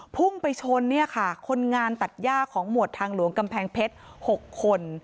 พุ่งไปชนเนี่ยค่ะคนงานตัดย่าของหมวดทางหลวงกำแพงเพชร๖คน